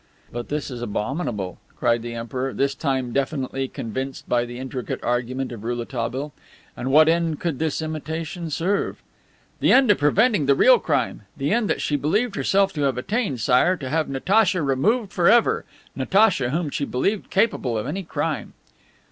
"But this is abominable!" cried the Emperor, this time definitely convinced by the intricate argument of Rouletabille. "And what end could this imitation serve?'" "The end of preventing the real crime! The end that she believed herself to have attained, Sire, to have Natacha removed forever Natacha whom she believed capable of any crime."